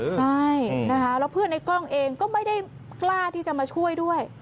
ใช่นะคะแล้วเพื่อนในกล้องเองก็ไม่ได้กล้าที่จะมาช่วยด้วย